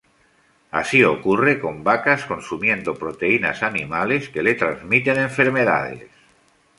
Así ocurre con vacas consumiendo proteínas animales, que le transmiten enfermedades.